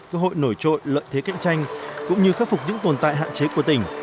cơ hội nổi trội lợi thế cạnh tranh cũng như khắc phục những tồn tại hạn chế của tỉnh